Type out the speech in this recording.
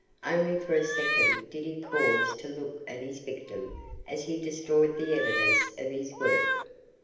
Only for a second did he pause to look at his victim as he destroyed the evidence of his work.